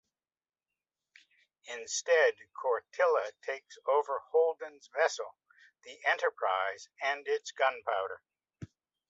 Instead, Cortilla takes over Holden's vessel, the "Enterprise", and its gunpowder.